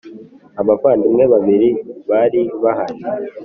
abavandimwe babiri bari bahari.